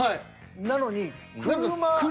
なのに「車」。